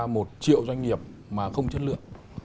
một triệu doanh nghiệp mà không chất lượng